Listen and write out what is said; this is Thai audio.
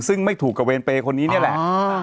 ซึ่งไม่ถูกกับเวรเปย์คนนี้นี่แหละ